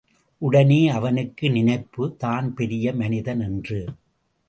உடனே அவனுக்கு நினைப்பு, தான் பெரிய மனிதன் என்று!